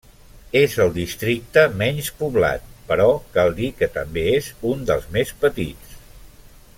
És el districte menys poblat, però cal dir que també és un dels més petits.